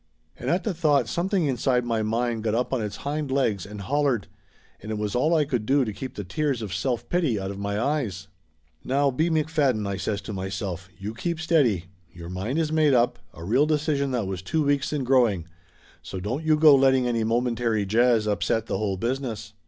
And at the thought something inside my mind got up on its hind legs and hollered, and it was all I could do to keep the tears of self pity out of my eyes. "Now, B. McFadden," I says to myself, "y u keep steady! Your mind is made up a real decision that was two weeks in growing. So don't you go letting any momentary jazz upset the whole business!"